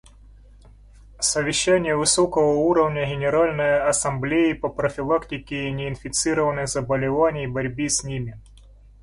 Совещание высокого уровня Генеральной Ассамблеи по профилактике неинфекционных заболеваний и борьбе с ними.